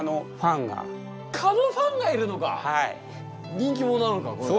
人気者なのかこの蚊。